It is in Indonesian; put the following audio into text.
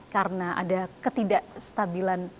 karena ada ketidakstabilan